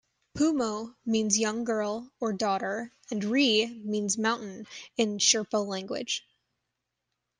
"Pumo" means young girl or daughter and "Ri" means mountain in Sherpa language.